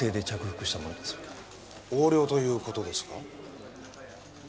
横領という事ですか？